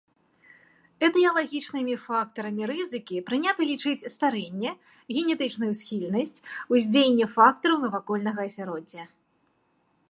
Этыялагічнымі фактарамі рызыкі прынята лічыць старэнне, генетычную схільнасць, уздзеянне фактараў навакольнага асяроддзя.